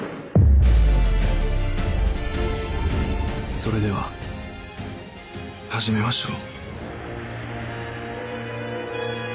それでは始めましょう。